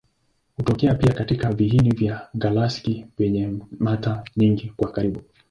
Hutokea pia katika viini vya galaksi penye mata nyingi kwa karibu.